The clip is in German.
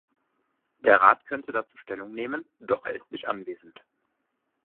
Der Rat könnte dazu Stellung nehmen, doch er ist nicht anwesend.